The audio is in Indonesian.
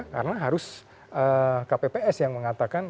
karena harus kpps yang mengatakan